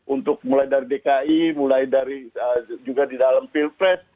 untuk mulai dari dki mulai dari juga di dalam pilpres